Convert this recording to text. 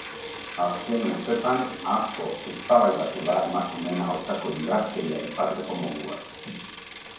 Azken urteetan, asko eztabaidatu da emakumeen aurkako indarkeria aipatzeko moduaz.